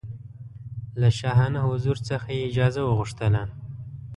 له شاهانه حضور څخه یې اجازه وغوښتله.